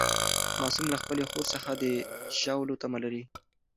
معصوم له خپلې خور څخه د ژاولو تمه لري.